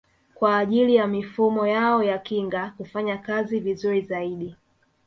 Kwa ajili ya mifumo yao ya kinga kufanya kazi vizuri zaidi